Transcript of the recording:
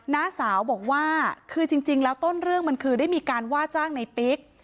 น้าสาวบอกว่าคือจริงแล้วต้นเรื่องมันคือได้มีการว่าจ้างในปิ๊ก